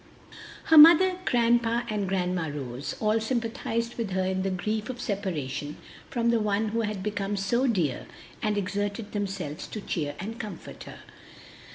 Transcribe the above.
Her mother, grandpa, and Grandma Rose all sympathized with her in the grief of separation from the one who had become so dear, and exerted themselves to cheer and comfort her.